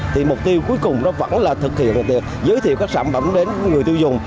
thì mục tiêu cuối cùng đó vẫn là thực hiện việc giới thiệu các sản phẩm đến người tiêu dùng